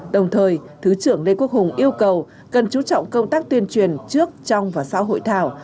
đồng thời thứ trưởng lê quốc hùng yêu cầu cần chú trọng công tác tuyên truyền trước trong và sau hội thảo